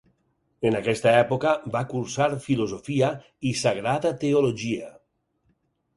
En aquesta època va cursar filosofia i sagrada teologia.